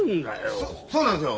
そそうなんですよ。